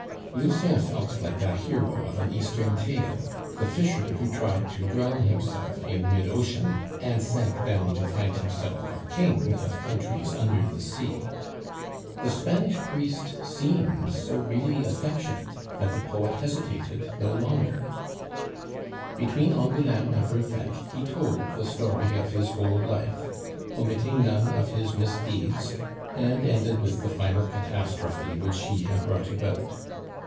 Lucien felt like that hero of an Eastern tale, the fisher who tried to drown himself in mid ocean, and sank down to find himself a king of countries under the sea. The Spanish priest seemed so really affectionate, that the poet hesitated no longer; between Angouleme and Ruffec he told the story of his whole life, omitting none of his misdeeds, and ended with the final catastrophe which he had brought about.